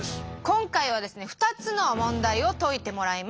今回はですね２つの問題を解いてもらいます。